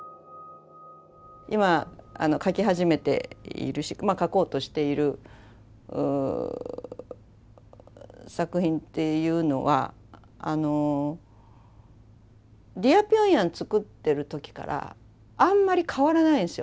今書き始めているし書こうとしている作品っていうのはあの「ディア・ピョンヤン」作ってる時からあんまり変わらないんですよ